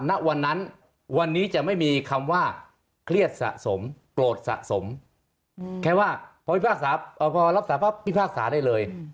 ณวันนั้นวันนี้จะไม่มีคำว่าเครียดสะสมโกรธสะสมแค่ว่าพอรับสารภาพพิพากษาได้เลย